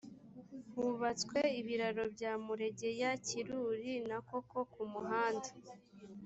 hubatswe ibiraro bya muregeya kiruri na koko ku muhanda